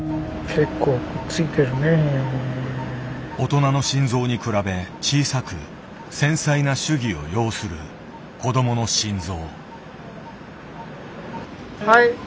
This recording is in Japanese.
大人の心臓に比べ小さく繊細な手技を要する子どもの心臓。